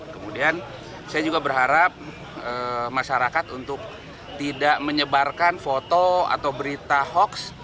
kemudian saya juga berharap masyarakat untuk tidak menyebarkan foto atau berita hoax